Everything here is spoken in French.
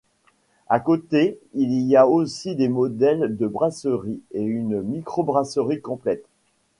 À côté il y a aussi des modèles de brasseries et une microbrasserie complète.